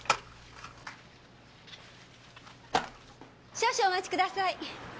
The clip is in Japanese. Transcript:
少々お待ちください。